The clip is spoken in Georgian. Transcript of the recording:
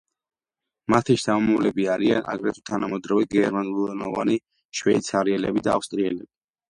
მათი შთამომავალი არიან აგრეთვე თანამედროვე გერმანულენოვანი შვეიცარიელები და ავსტრიელები.